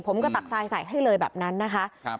ตักทรายใส่ให้เลยแบบนั้นนะคะ